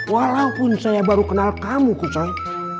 walaupun saya baru kenal kamu kucai